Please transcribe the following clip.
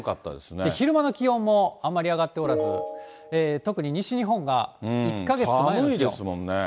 昼間の気温もあまり上がっておらず、特に西日本が１か月前の寒いですもんね。